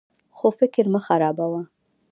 خو فکر مه خرابوه.